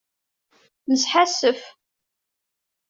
Nesḥassef.